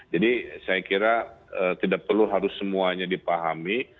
jadi saya kira tidak perlu harus semuanya dipahami